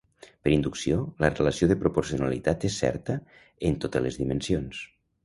Per inducció, la relació de proporcionalitat és certa en totes les dimensions.